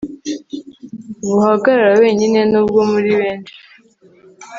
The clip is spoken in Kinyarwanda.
guhagarara wenyine, nubwo muri benshi